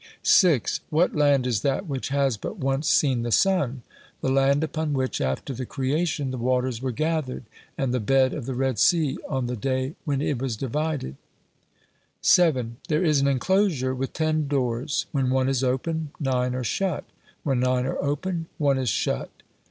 6. "What land is that which has but once seen the sun?" "The land upon which, after the creation, the waters were gathered, and the bed of the Red Sea on the day when it was divided." 7. "There is an enclosure with ten doors, when one is open, nine are shut; when nine are open, one is shut?"